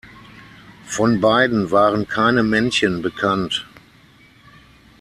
Von beiden waren keine Männchen bekannt.